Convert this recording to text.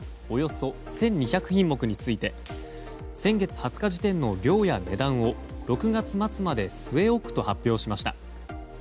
およそ１２００品目について先月２０日時点の量や値段を６月末まで据え置くと発表しました。